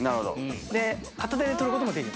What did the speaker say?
で片手で取ることもできる。